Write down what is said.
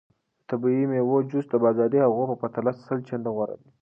د طبیعي میوو جوس د بازاري هغو په پرتله سل چنده غوره دی.